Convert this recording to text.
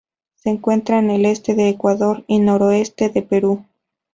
Se encuentra en el este de Ecuador y noroeste de Perú.